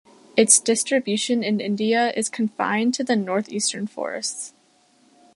Its distribution in India is confined to the north-eastern forests.